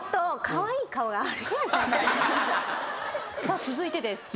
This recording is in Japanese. さあ続いてです。